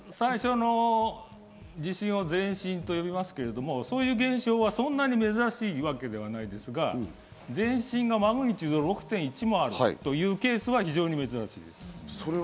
最初の地震を前震と呼びますけど、そういう現象はそんなに珍しいわけではないですが、前震がマグニチュード６．１もあるというケースは非常に珍しいです。